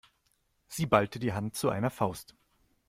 Sie ballte die Hand zu einer Faust.